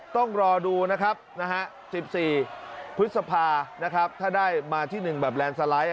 ต้องรอดูนะครับ๑๔พฤษภานะครับถ้าได้มาที่๑แบบแลนด์สไลด์